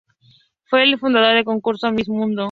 Fue el fundador del concurso Miss Mundo.